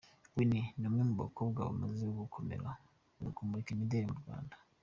Winnie: Ni umwe mu bakobwa bamaze gukomera mu kumurika imideli mu Rwanda.